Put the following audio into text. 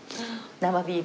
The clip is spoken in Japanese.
生ビール。